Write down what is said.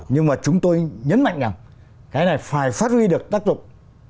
nhưng mà chúng tôi nhấn mạnh rằng cái này phải phát huy được tác dụng